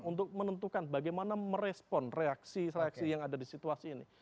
untuk menentukan bagaimana merespon reaksi reaksi yang ada di situasi ini